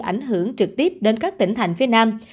ảnh hưởng trực tiếp đến các tỉnh thành phía nam